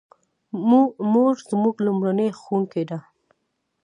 مور زموږ لومړنۍ ښوونکې ده